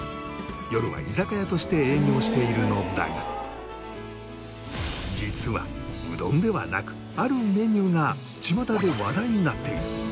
夜は居酒屋として営業しているのだが実はうどんではなくあるメニューがちまたで話題になっている。